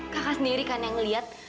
kakak sendiri kan yang ngeliat